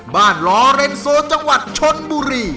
ล้อเรนโซจังหวัดชนบุรี